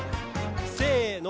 せの。